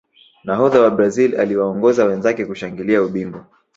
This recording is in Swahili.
nahodha wa brazil aliwaongoza wenzake kushangilia ubingwa